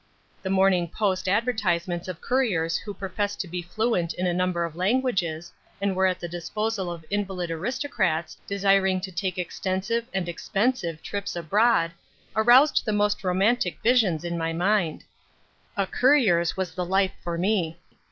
The Morning Post advertisements of couriers who professed to be fluent in a number of languages and were at the disposal of invalid aristocrats desiring to take extensive (and expensive) trips abroad, aroused the most romantic visions in my mind. A courier's was the life for me.